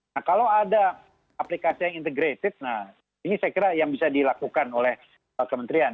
nah kalau ada aplikasi yang integrated nah ini saya kira yang bisa dilakukan oleh kementerian